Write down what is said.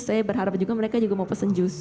saya berharap juga mereka juga mau pesen jus